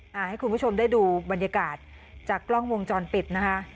ให้คุณผู้ชมได้ดูบรรยากาศจากกล้องวงจรปิดนะคะ